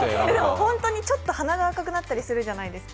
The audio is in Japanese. ホントにちょっと鼻が赤くなったりするじゃないですか。